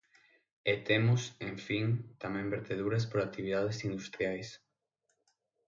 E temos, en fin, tamén verteduras por actividades industriais.